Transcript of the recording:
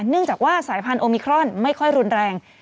เนื่องจากว่าสายพันธุมิครอนไม่ค่อยรุนแรง